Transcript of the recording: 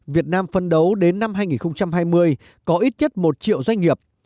việt nam phân đấu đến năm hai nghìn hai mươi có ít nhất một triệu doanh nghiệp